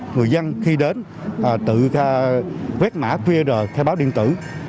người dân khi đến tự quét mã qr khai báo điện tử